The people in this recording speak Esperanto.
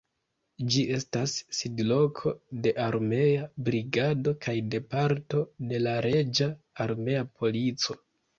Ĝi estas sidloko de armea brigado kaj de parto de la reĝa armea polico.